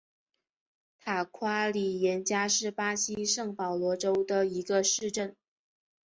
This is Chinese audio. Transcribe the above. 塔夸里廷加是巴西圣保罗州的一个市镇。